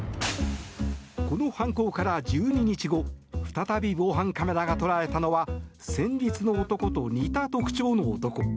この犯行から１２日後再び防犯カメラが捉えたのは先日の男と似た特徴の男。